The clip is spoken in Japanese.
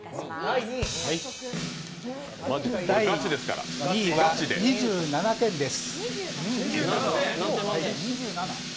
第２位は２７点です。